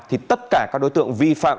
thì tất cả các đối tượng vi phạm